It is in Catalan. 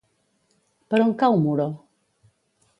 Per on cau Muro?